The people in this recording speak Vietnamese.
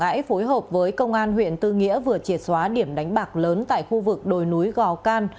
ngãi phối hợp với công an huyện tư nghĩa vừa triệt xóa điểm đánh bạc lớn tại khu vực đồi núi gò can